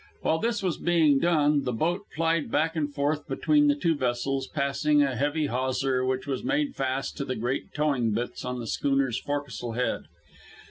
While this was being done, the boat plied back and forth between the two vessels, passing a heavy hawser, which was made fast to the great towing bitts on the schooner's forecastle head.